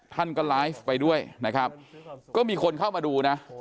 ท่านก็ไลฟ์ไปด้วยนะครับก็มีคนเข้ามาดูนะ